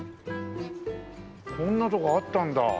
こんなとこあったんだ。